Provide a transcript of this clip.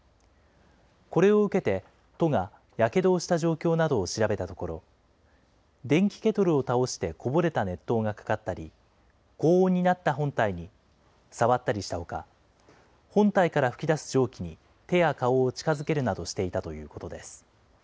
これを受けて、都がやけどをした状況などを調べたところ、電気ケトルを倒してこぼれた熱湯がかかったり、高温になった本体に触ったりしたほか、本体から吹き出す蒸気に手や顔を近づけるなどしていたということです。